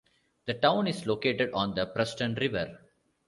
The town is located on the Preston River.